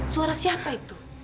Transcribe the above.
suara siapa itu